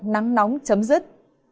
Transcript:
nắng nóng chấm dứt